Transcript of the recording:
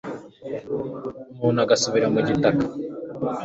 umuntu agasubira mu gitaka